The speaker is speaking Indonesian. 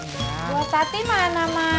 buat tadi mana mak